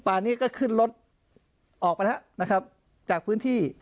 ป่านนี้ก็ขึ้นรถออกไปนะครับจากพื้นที่